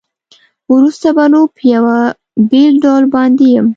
وروسته به نو په یوه بېل ډول باندې یم.